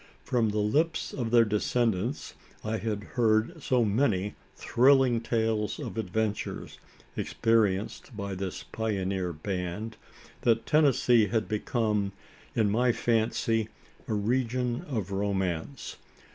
From the lips of their descendants I had heard so many thrilling tales of adventures, experienced by this pioneer band, that Tennessee had become, in my fancy a region of romance.